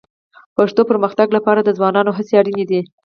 پښتو پرمختګ لپاره د ځوانانو هڅې اړیني دي